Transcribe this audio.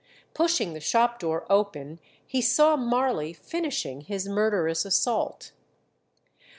Pushing the shop door open, he saw Marley finishing his murderous assault.